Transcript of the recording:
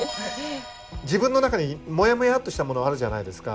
自分の中にもやもやっとしたものあるじゃないですか？